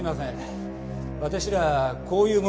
私らこういう者でして。